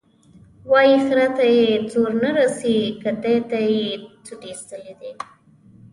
وایي خره ته یې زور نه رسېږي، کتې ته یې سوټي ایستلي دي.